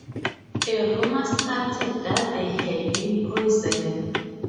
A rumour started that they had been poisoned.